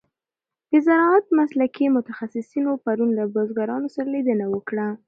د زراعت مسلکي متخصصینو پرون له بزګرانو سره لیدنه وکړه.